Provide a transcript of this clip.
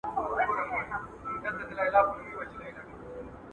ساه یې په سینه کې نوره هم تنګ شوه.